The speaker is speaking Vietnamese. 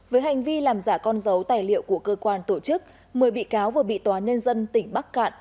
với hành vi làm giả con dấu tài liệu của cơ quan tổ chức một mươi bị cáo vừa bị tòa nhân dân tỉnh bắc cạn